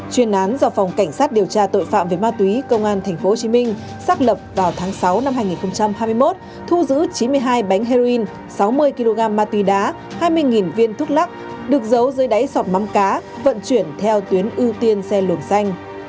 chuyên án do phòng cảnh sát điều tra tội phạm về ma túy công an tp hcm xác lập vào tháng sáu năm hai nghìn hai mươi một thu giữ chín mươi hai bánh heroin sáu mươi kg ma túy đá hai mươi viên thuốc lắc được giấu dưới đáy sọt mắm cá vận chuyển theo tuyến ưu tiên xe luồng xanh